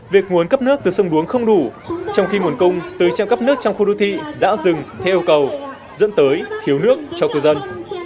việc nguồn cấp nước từ sông đuống không đủ trong khi nguồn cung từ trang cấp nước trong khu đô thị đã dừng theo cầu dẫn tới thiếu nước cho cư dân